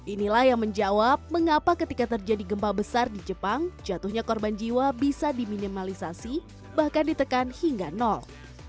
inilah yang menjawab mengapa ketika terjadi gempa besar di jepang jatuhnya korban jiwa bisa diminimalisasi bahkan ditekan hingga nol